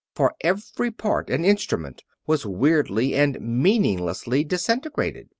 For every part and instrument was weirdly and meaninglessly disintegrated.